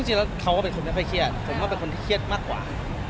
จริงแล้วเขาก็เป็นคนไม่ค่อยเครียดผมก็เป็นคนที่เครียดมากกว่า